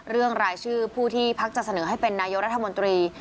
รายชื่อผู้ที่พักจะเสนอให้เป็นนายกรัฐมนตรี